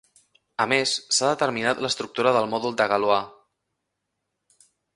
A més, s'ha determinat l'estructura del mòdul de Galois.